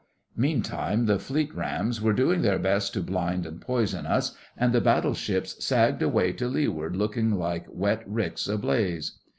Meantime the Fleet rams were doing their best to blind and poison us, and the battleships sagged away to leeward looking like wet ricks ablaze.